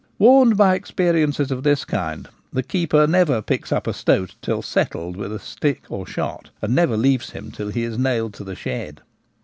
Warned by experiences of this kind, the keeper never picks up a stoat till ' settled ' with a stick or shot, and never leaves him till he is nailed to the shed.